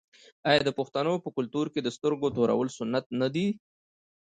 آیا د پښتنو په کلتور کې د سترګو تورول سنت نه دي؟